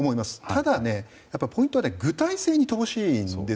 ただ、ポイントとしては具体性に乏しいと思います。